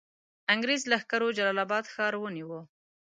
انګرېز لښکرو جلال آباد ښار ونیوی.